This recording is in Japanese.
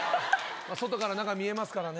外から中見えますからね。